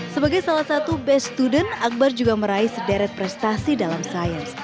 sebagai salah satu best student akbar juga meraih sederet prestasi dalam sains